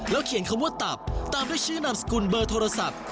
เขียนคำว่าตับตามด้วยชื่อนามสกุลเบอร์โทรศัพท์